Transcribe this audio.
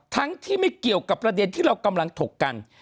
ทั้งที่ไม่เกี่ยวกับประเด็นที่เรากำลังถกกัน